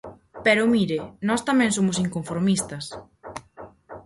Pero, mire, nós tamén somos inconformistas.